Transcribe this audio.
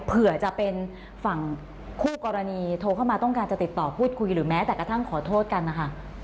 เผื่อจะเป็นฝั่งคู่กรณีโทรเข้ามาต้องการจะติดต่อพูดคุยหรือแม้แต่กระทั่งขอโทษกันนะคะ